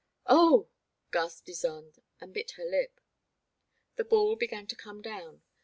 Oh,*' gasped Ysonde, and bit her lip. The ball began to come down.